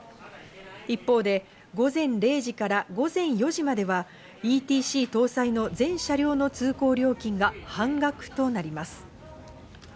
一方で午前０時から午前４時までは、ＥＴＣ搭載の全車両の通行料金が半額となります。